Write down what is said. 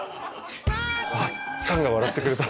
まっちゃんが笑ってくれた。